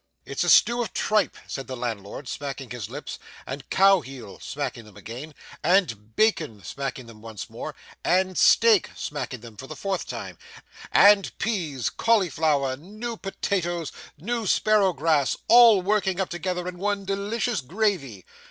'It's a stew of tripe,' said the landlord smacking his lips, 'and cow heel,' smacking them again, 'and bacon,' smacking them once more, 'and steak,' smacking them for the fourth time, 'and peas, cauliflowers, new potatoes, and sparrow grass, all working up together in one delicious gravy.